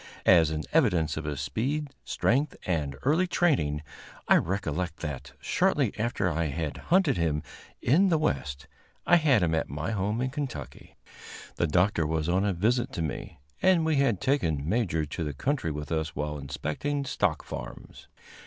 As an evidence of his speed, strength and early training, I recollect that, shortly after I had hunted him in the West, I had him at my home in Kentucky. The Doctor was on a visit to me, and we had taken Major to the country with us while inspecting stock farms.